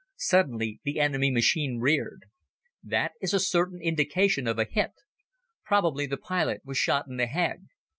Suddenly, the enemy machine reared. That is a certain indication of a hit. Probably the pilot was shot in the head.